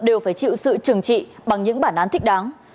đều phải chịu sự trừng trị bằng những bản án thích đáng